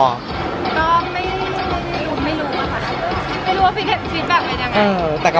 ไม่รู้ไม่รู้